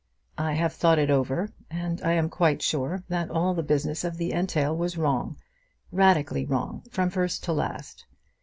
"I have thought it over, and I am quite sure that all the business of the entail was wrong, radically wrong from first to last.